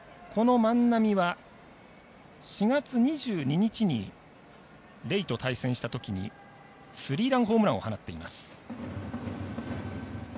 この万波は、４月２２日にレイと対戦したときにスリーランホームランを放っています。